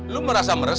lu merasa meres